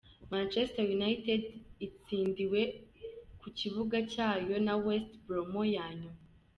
Manchester United itsindiwe ku kibuga cyayo na West Bromo ya nyuma.